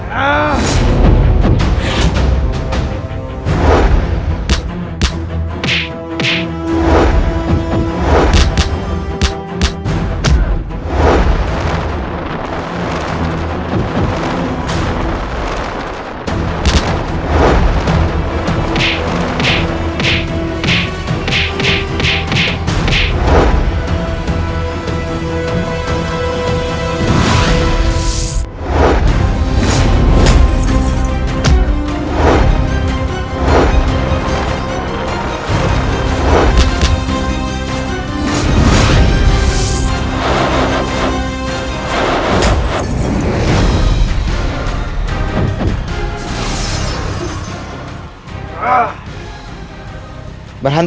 kau sudah menguasai ilmu karang